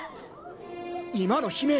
・今の悲鳴。